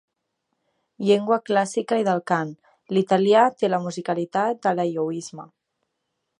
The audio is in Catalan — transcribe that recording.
Llengua clàssica i del cant, l'italià té la musicalitat de l'aeiouisme.